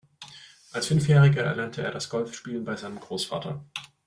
Als Fünfjähriger erlernte er das Golfspiel bei seinem Großvater.